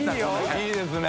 いいですね。